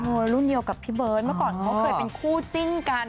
รุ่นเดียวกับพี่เบิร์ตเมื่อก่อนเขาเคยเป็นคู่จิ้นกัน